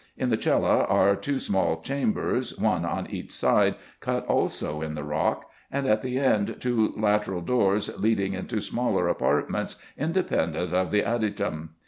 In the cella are two small chambers, one on each side, cut also in the rock ; and at the end two lateral doors leading into smaller apartments, independent of the adytum.